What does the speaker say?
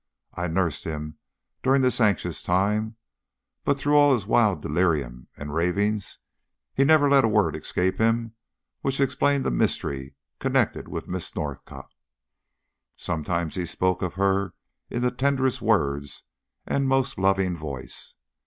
I nursed him during this anxious time; but through all his wild delirium and ravings he never let a word escape him which explained the mystery connected with Miss Northcott. Sometimes he spoke of her in the tenderest words and most loving voice.